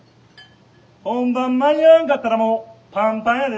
本番間に合わんかったらもうパンパンやで」。